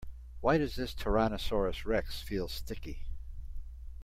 Why does this tyrannosaurus rex feel sticky?